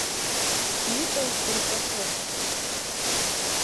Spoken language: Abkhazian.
Иҟоу рҵәахын.